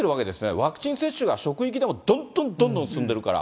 ワクチン接種が職域でもどんどんどんどん進んでるから。